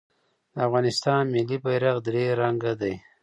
د افغانستان ملي بیرغ درې رنګه دی